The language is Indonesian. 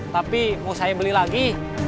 tapi mau saya beli lagi